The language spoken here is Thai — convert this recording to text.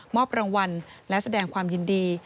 รางวัลและแสดงความยินดี